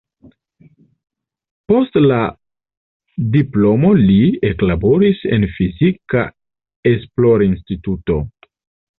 Post la diplomo li eklaboris en fizika esplorinstituto.